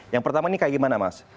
yang pertama ini kayak gimana mas